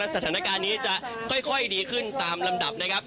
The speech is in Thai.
สถานการณ์นี้จะค่อยดีขึ้นตามลำดับนะครับ